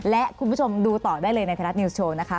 และคุณผู้ชมดูต่อได้เลยในไทยรัฐนิวส์โชว์นะคะ